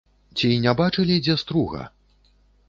Ці не бачылі дзе струга?